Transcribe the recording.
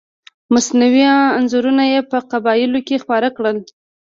مصنوعي انځورونه یې په قبایلو کې خپاره کړل.